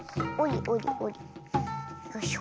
よいしょ。